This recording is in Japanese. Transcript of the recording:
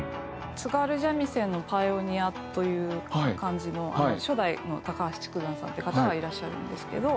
津軽三味線のパイオニアという感じの初代の高橋竹山さんっていう方がいらっしゃるんですけど。